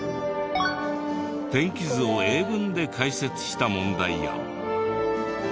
天気図を英文で解説した問題や。